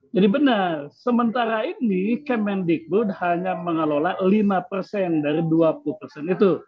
benar sementara ini kemendikbud hanya mengelola lima persen dari dua puluh persen itu